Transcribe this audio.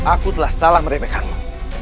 aku telah salah meremehkanmu